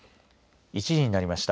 １時になりました。